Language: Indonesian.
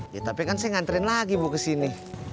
ya tapi kan saya nganterin lagi bu ke sini